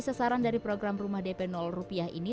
sasaran dari program rumah dp rupiah ini